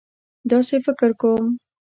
داسې فکر کوم.